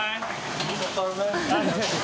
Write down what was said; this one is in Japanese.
ありがとうございます。